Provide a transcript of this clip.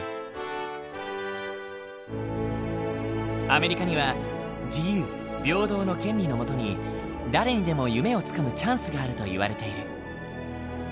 アメリカには自由平等の権利の下に誰にでも夢をつかむチャンスがあるといわれている。